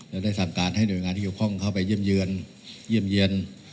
และได้สั่งการให้หน่วยงานที่เกี่ยวข้องเข้าไปเยี่ยมเยือนเยี่ยมเยี่ยม